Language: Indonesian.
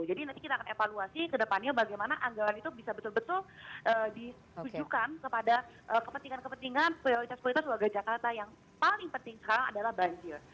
jadi nanti kita akan evaluasi ke depannya bagaimana anggaran itu bisa betul betul disujukan kepada kepentingan kepentingan prioritas prioritas keluarga jakarta yang paling penting sekarang adalah banjir